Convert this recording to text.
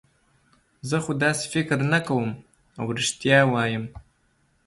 زه خو داسې فکر نه کوم، اوه رښتیا وایم.